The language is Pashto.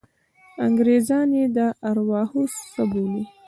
انګریزان یې د ارواحو څاه بولي.